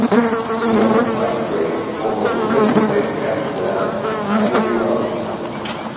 He won a tight race over the second-place candidate, Ainsley Robertson.